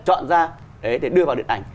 chọn ra để đưa vào điện ảnh